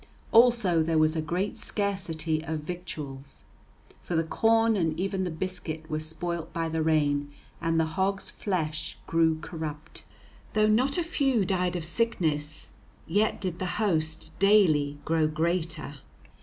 Also there was a great scarcity of victuals; for the corn and even the biscuit were spoilt by the rain, and the hogs' flesh grew corrupt. Though not a few died of sickness, yet did the host daily grow greater.